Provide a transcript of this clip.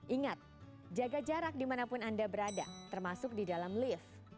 ingat jaga jarak dimanapun anda berada termasuk di dalam lift